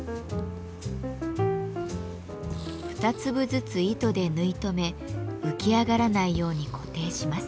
２粒ずつ糸で縫い留め浮き上がらないように固定します。